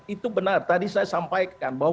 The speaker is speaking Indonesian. itu benar tadi saya sampaikan bahwa